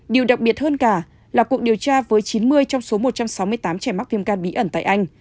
điều đặc biệt hơn cả là cuộc điều tra với chín mươi trong số một trăm sáu mươi tám trẻ mắc thêm can bí ẩn tại anh